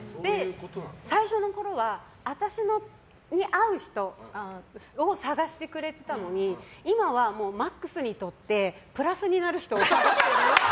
最初のころは、私に合う人を探してくれていたのに今は、ＭＡＸにとってプラスになる人を探してる。